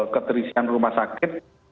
keterisian rumah sakit